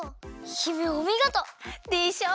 姫おみごと！でしょう！